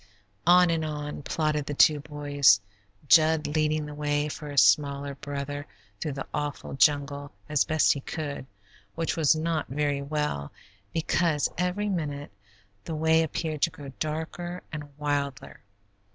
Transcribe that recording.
On and on plodded the two boys, Jud leading the way for his smaller brother through the awful jungle as best he could, which was not very well, because every minute the way appeared to grow darker and wilder.